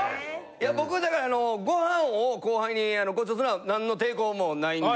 いや僕はだからご飯を後輩にご馳走するのは何の抵抗もないんですよ。